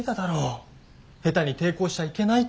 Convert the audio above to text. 下手に抵抗しちゃいけないって。